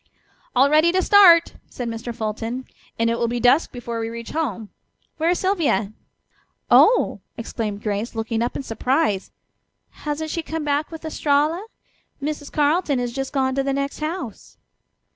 "All ready to start!" said Mr. Fulton, "and it will be dusk before we reach home. Where is Sylvia?" "Oh!" exclaimed Grace, looking up in surprise. "Hasn't she come back with Estralla? Mrs. Carleton has just gone to the next house."